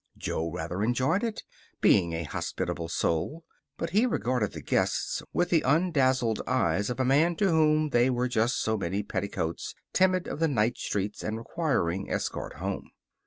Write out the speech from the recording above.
Jo rather enjoyed it, being a hospitable soul. But he regarded the guests with the undazzled eyes of a man to whom they were just so many petticoats, timid of the night streets and requiring escort home.